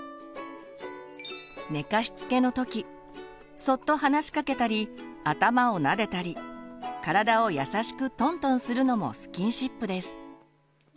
寝かしつけの時そっと話しかけたり頭をなでたり体を優しくトントンするのもスキンシップです。